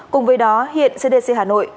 cùng với đó hiện cdc hà nội